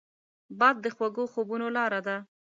باد د خوږو خوبونو لاره ده